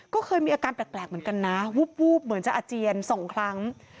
ก็เคยมีอาการแปลกเหมือนกันนะวูบเหมือนจะอาเจียน๒ครั้ง